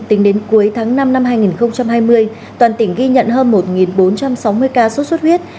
tính đến cuối tháng năm năm hai nghìn hai mươi toàn tỉnh ghi nhận hơn một bốn trăm sáu mươi ca sốt xuất huyết